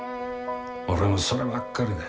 俺もそればっかりだ。